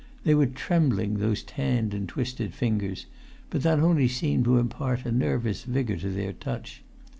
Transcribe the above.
They were trembling, those tanned and twisted fingers, but that only seemed to impart a nervous vigour to their touch.